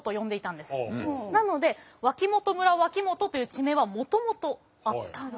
なので脇本村脇本という地名はもともとあった。